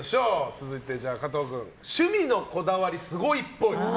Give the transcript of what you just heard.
続いて加藤君趣味のこだわりすごいっぽい。